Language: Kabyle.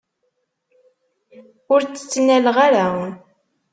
Ur tt-ttnaleɣ ara.